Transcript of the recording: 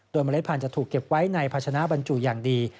โดยเมล็ดพันธุ์จะถูกเก็บไว้ในภาชนะบรรจุอย่างดี